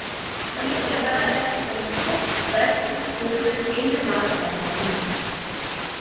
Damit gehörte er zu den punktbesten Stürmern innerhalb seines Teams.